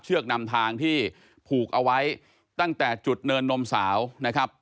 นำทางที่ผูกเอาไว้ตั้งแต่จุดเนินนมสาวนะครับ